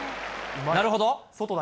なるほど。